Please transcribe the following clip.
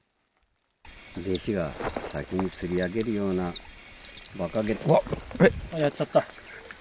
弟子が先に釣り上げるような、あっ、やっちゃった。